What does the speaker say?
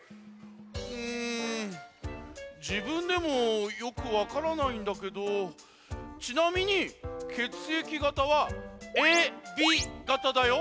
うんじぶんでもよくわからないんだけどちなみにけつえきがたはほら！